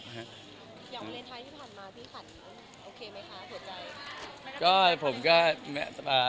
เดือนบลแรนไทน์ที่ผ่านมาพี่ขันโอเคไหมคะผดใจ